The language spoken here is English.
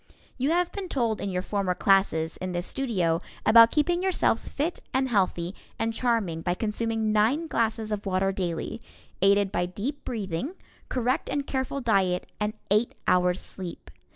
You have been told in your former classes in this studio about keeping yourselves fit and healthy and charming by consuming nine glasses of water daily, aided by deep breathing, correct and careful diet and eight hours' sleep.